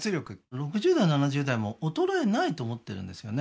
６０代７０代も衰えないと思ってるんですよね